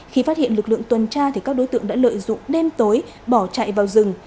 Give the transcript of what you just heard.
khi phát hiện lực lượng tuần tra các đối tượng đã lợi dụng đêm tối bỏ chạy vào rừng